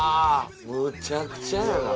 むちゃくちゃやな。